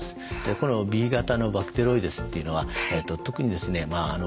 このＢ型のバクテロイデスというのは特にですね